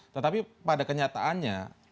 tetapi pada kenyataannya